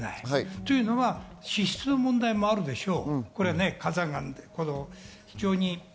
というのは地質の問題もあるでしょう。